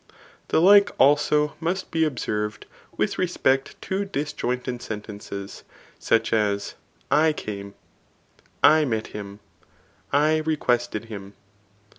The like also must be observed with respect to disjointed sentences ; such as, / camey I met him, I re quested him.